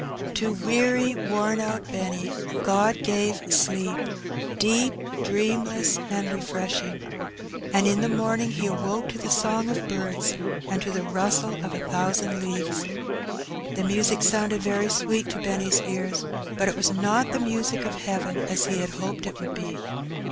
To weary, worn out Benny God gave sleep, deep, dreamless, and refreshing, and in the morn ing he awoke to the song of birds and to the rustle of a thousand leaves. The music sounded very sweet to Benny's ears, but it was not the music of heaven, as he had hoped it would be.